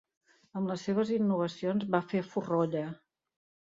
Amb les seves innovacions va fer forrolla.